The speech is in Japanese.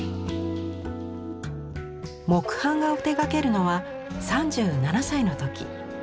木版画を手がけるのは３７歳の時。